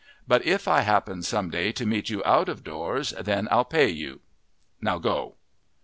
But if I happen some day to meet you out of doors then I'll pay you. Now go."